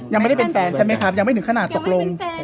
ยังไม่ได้เป็นแฟนใช่ไหมครับยังไม่ถึงขนาดตกลง